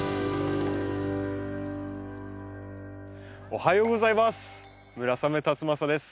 おはようございます。